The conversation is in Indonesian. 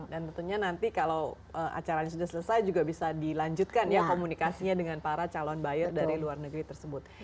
tentunya nanti kalau acaranya sudah selesai juga bisa dilanjutkan ya komunikasinya dengan para calon buyer dari luar negeri tersebut